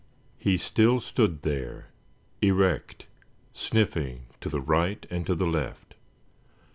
He still stood there, erect, sniffing to the right and to the left.